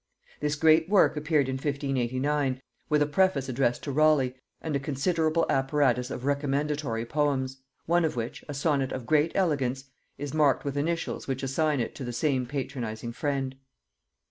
This great work appeared in 1589, with a preface addressed to Raleigh and a considerable apparatus of recommendatory poems; one of which, a sonnet of great elegance, is marked with initials which assign it to the same patronizing friend.